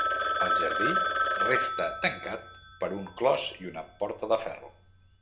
El jardí resta tancat per un clos i una porta de ferro.